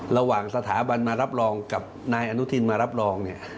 ระหว่างสถาบันมารับรองกับนายอนุทินมารับรองเนี่ย